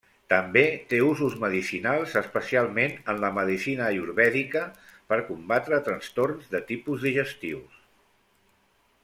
També té usos medicinals especialment en la medicina Ayurvèdica per combatre trastorns de tipus digestius.